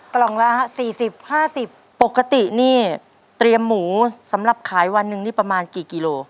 กล่องละฮะสี่สิบห้าสิบปกตินี่เตรียมหมูสำหรับขายวันนึงนี่ประมาณกี่กิโล